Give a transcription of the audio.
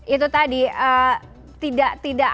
itu tadi tidak